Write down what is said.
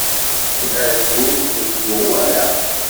Azul, ur k-yuɣ wara?